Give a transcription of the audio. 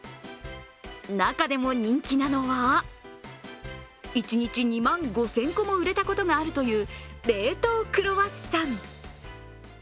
中でも人気なのは、一日２万５０００個も売れたことがあるという冷凍クロワッサン。